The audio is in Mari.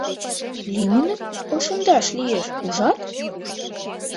— Лӱмынак ошемдаш лиеш, ужат?